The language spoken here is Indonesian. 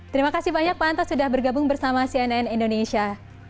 terima kasih banyak pak anta sudah bergabung bersama cnn indonesia